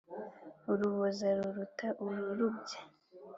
Uruboza ruruta ururumbya.